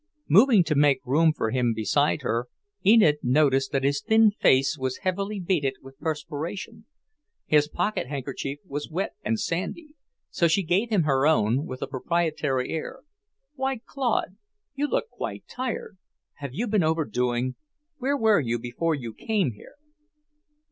Moving to make room for him beside her, Enid noticed that his thin face was heavily beaded with perspiration. His pocket handkerchief was wet and sandy, so she gave him her own, with a proprietary air. "Why, Claude, you look quite tired! Have you been over doing? Where were you before you came here?"